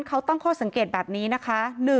เขาตั้งข้อสังเกตแบบนี้นะคะ